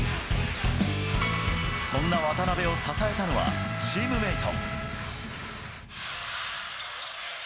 そんな渡邊を支えたのは、チームメート。